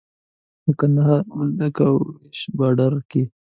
د کندهار په بولدک او ويش باډر کې.